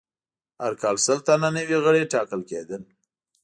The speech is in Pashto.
هر کال سل تنه نوي غړي ټاکل کېدل.